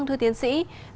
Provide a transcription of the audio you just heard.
thể hiện tính